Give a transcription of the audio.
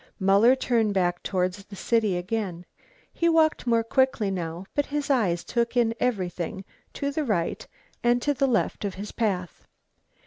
Muller turned back towards the city again. He walked more quickly now, but his eyes took in everything to the right and to the left of his path.